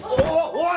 おい！